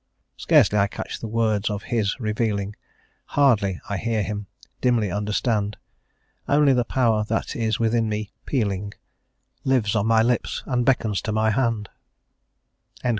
Scarcely I catch the words of His revealing, Hardly I hear Him, dimly understand; Only the power that is within me pealing, Lives on my lips and beckons to my hand."